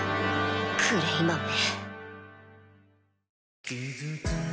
クレイマンめ。